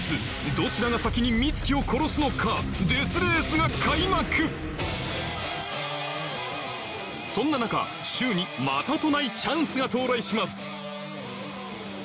どちらが先に美月を殺すのかそんな中柊にまたとないチャンスが到来します！